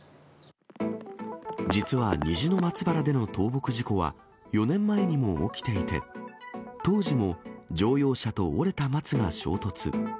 実は虹の松原での倒木事故は４年前にも起きていて、当時も乗用車と折れた松が衝突。